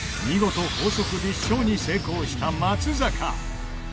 見事法則立証に成功した松坂。